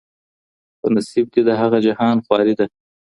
په نصیب دي د هغه جهان خواري ده.